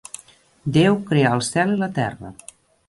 Déu creà el cel i la terra.